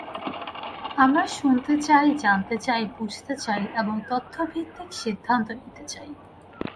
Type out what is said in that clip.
আমরা শুনতে চাই, জানতে চাই, বুঝতে চাই এবং তথ্যভিত্তিক সিদ্ধান্ত নিতে চাই।